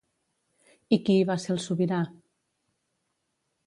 I qui hi va ser el sobirà?